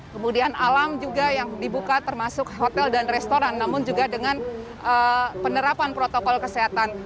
kemudian alam juga yang dibuka termasuk hotel dan restoran namun juga dengan penerapan protokol kesehatan